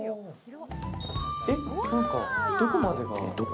えっ、なんか、どこまでが？